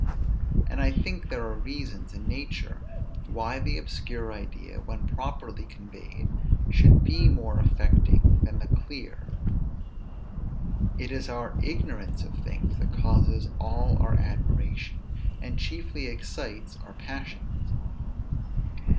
And I think there are reasons in nature, why the obscure idea, when properly conveyed, should be more affecting than the clear. It is our ignorance of things that causes all our admiration, and chiefly excites our passions.